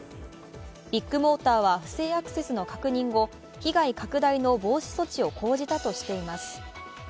ビッグモーターは不正アクセスの確認後被害拡大の防止措置を講じたとしています。